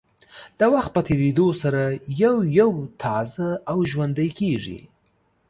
د وخت په تېرېدو سره یو یو تازه او ژوندۍ کېږي.